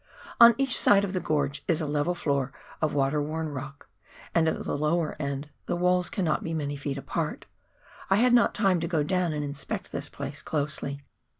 On each side of the gorge is a level floor of water worn rock, and at the lower end the walls cannot be many feet apart. I had not time to go down and inspect this place closely.